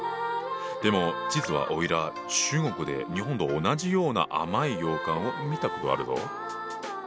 でも実はおいら中国で日本と同じような甘い羊羹を見たことあるぞ。